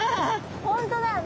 本当だ！